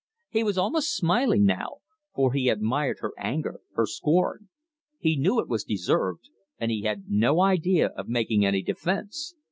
He was almost smiling now, for he admired her anger, her scorn. He knew it was deserved, and he had no idea of making any defence.